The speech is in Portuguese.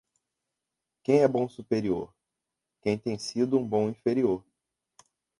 Quem é bom superior? Quem tem sido um bom inferior.